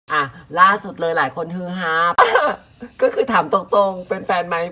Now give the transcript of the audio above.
อ่ะล่าสุดเลยหลายคนฮือฮาก็คือถามตรงตรงเป็นแฟนไหม